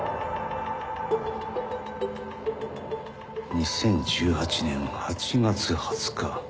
「２０１８年８月２０日」。